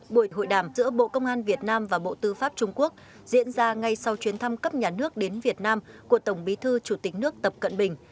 buổi hội đàm giữa bộ công an việt nam và bộ tư pháp trung quốc diễn ra ngay sau chuyến thăm cấp nhà nước đến việt nam của tổng bí thư chủ tịch nước tập cận bình